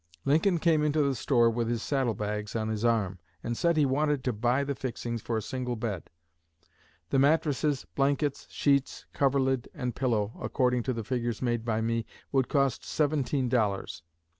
Lincoln came into the store with his saddle bags on his arm, and said he wanted to buy the fixings for a single bed. The mattresses, blankets, sheets, coverlid, and pillow, according to the figures made by me, would cost seventeen dollars.